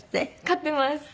飼ってます。